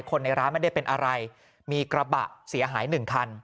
ในร้านไม่ได้เป็นอะไรมีกระบะเสียหายหนึ่งคัน